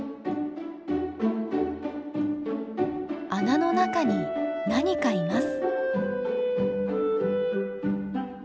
穴の中に何かいます。